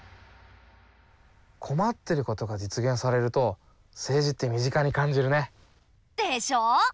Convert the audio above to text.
困っていることが実現されると政治って身近に感じるね。でしょ。